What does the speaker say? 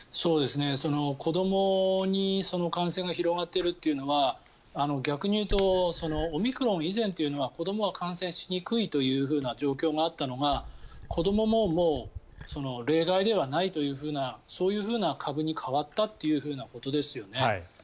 子どもに感染が広がっているというのは逆に言うとオミクロン以前というのは子どもは感染しにくいというふうな状況があったのが子どもももう例外ではないというふうなそういうふうな株に変わったということですよね。